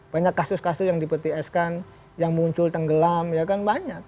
banyak kasus kasus yang dipetieskan yang muncul tenggelam ya kan banyak